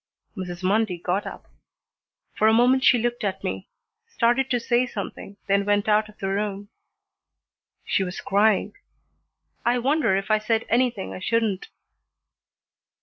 Mrs. Mundy got up. For a moment she looked at me, started to say something, then went out of the room. She was crying. I wonder if I said anything I shouldn't.